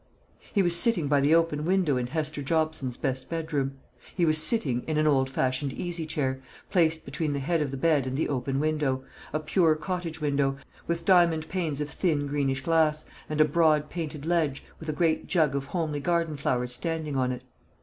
He was sitting by the open window in Hester Jobson's best bedroom. He was sitting in an old fashioned easy chair, placed between the head of the bed and the open window, a pure cottage window, with diamond panes of thin greenish glass, and a broad painted ledge, with a great jug of homely garden flowers standing on it.